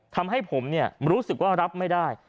ทำให้ผมรู้สึกว่ารับไม่ได้